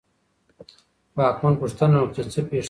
واکمن پوښتنه وکړه چې څه پېښ شوي.